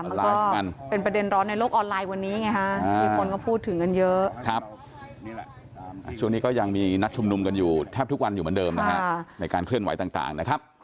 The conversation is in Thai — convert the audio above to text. มันเป็นการวิจารณ์ที่ไม่มีคุณภาพไม่มีอยู่บนฐานความจริง